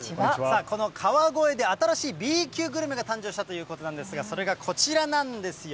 さあ、この川越で新しいＢ級グルメが誕生したということなんですが、それがこちらなんですよ。